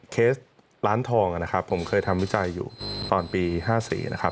เคสร้านทองนะครับผมเคยทำวิจัยอยู่ตอนปี๕๔นะครับ